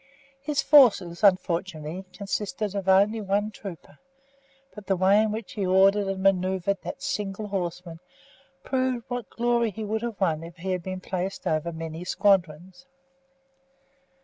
His forces, unfortunately, consisted of only one trooper, but the way in which he ordered and manoeuvred that single horseman proved what glory he would have won if he had been placed over many squadrons.